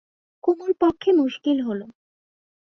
কুমুর পক্ষে মুশকিল হল।